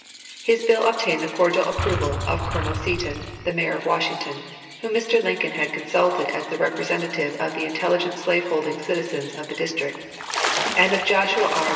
His bill obtained the cordial approval of Colonel Seaton, the Mayor of Washington, whom Mr. Lincoln had consulted as the representative of the intelligent slave holding citizens of the District, and of Joshua R.